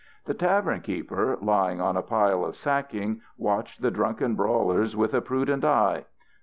The tavern keeper, lying on a pile of sacking, watched the drunken brawlers with a prudent eye.